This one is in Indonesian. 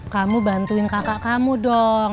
kamu bantuin kakak kamu dong